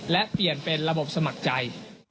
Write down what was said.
และเปลี่ยนเป็นระบบสมัครใจ